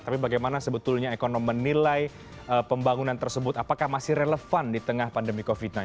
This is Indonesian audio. tapi bagaimana sebetulnya ekonomi menilai pembangunan tersebut apakah masih relevan di tengah pandemi covid sembilan belas